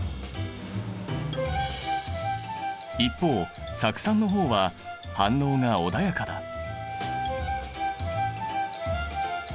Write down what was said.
一方酢酸の方は反応が穏やかだ。